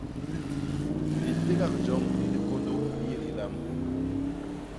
Litégak joñ li likôndô li yé lilam.